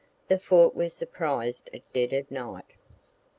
The fort was surprised at dead of night.